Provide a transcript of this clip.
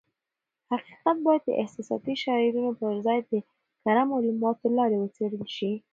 حقیقت بايد د احساساتي شعارونو پر ځای د کره معلوماتو له لارې وڅېړل شي.